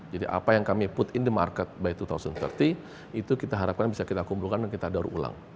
jadi apa yang kami put in the market by dua ribu tiga puluh itu kita harapkan bisa kita kumpulkan dan kita dorong ulang